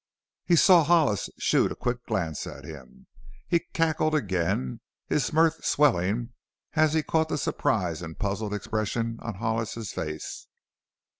He saw Hollis shoot a quick glance at him. He cackled again, his mirth swelling as he caught the surprised and puzzled expression of Hollis's face.